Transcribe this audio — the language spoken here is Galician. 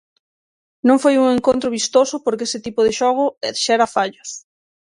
Non foi un encontro vistoso porque ese tipo de xogo xera fallos.